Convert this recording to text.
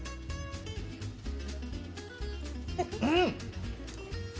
うん。